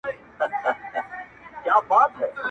د جنګ د سولي د سیالیو وطن٫